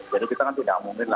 jadi kita kan tidak mungkin